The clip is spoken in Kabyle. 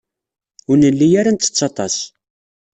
Ur nelli ara nettett aṭas.